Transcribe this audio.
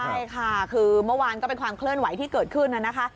ใช่ค่ะคือเมื่อวานก็เป็นความเคลื่อนไหวที่เกิดขึ้นนะคะ